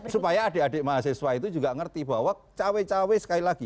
supaya adik adik mahasiswa itu juga ngerti bahwa cawe cawe sekali lagi